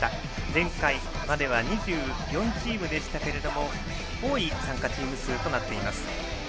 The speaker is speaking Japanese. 前回までは２４チームでしたが多い参加チーム数となっています。